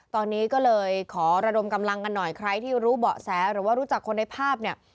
ตอนนี้ก็เลยขอระดมกำลังกันหน่อยใครที่รู้เบาะแสหรือว่ารู้จักคนในภาพเนี่ย